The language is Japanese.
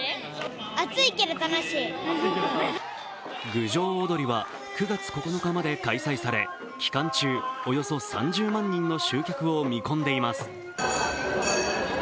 郡上おどりは９月９日まで開催され期間中、およそ３０万人の集客を見込んでいます。